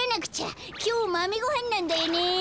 きょうまめごはんなんだよね。